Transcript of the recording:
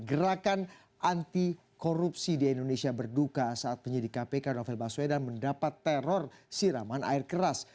gerakan anti korupsi di indonesia berduka saat penyidik kpk novel baswedan mendapat teror siraman air keras